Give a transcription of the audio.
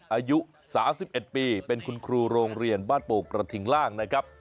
อายุ๓๑ปีเป็นคุณครูโรงเรียนบ้านโป่งกระทิงล่างนะครับ